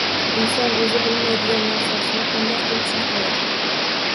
Inson o‘zi bilmaydigan narsasini qanday qilib saqlaydi?